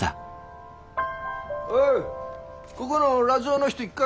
おうこごのラジオの人いっか？